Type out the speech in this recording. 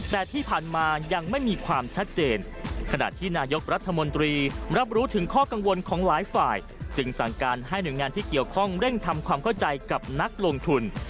แต่ที่ผ่านมายังไม่มีความชัดเจนขณะที่นายกรัฐมนตรีรับรู้ถึงข้อกังวลของหลายฝ่ายจึงสั่งการให้หน่วยงานที่เกี่ยวข้องเร่งทำความเข้าใจกับนักลงทุน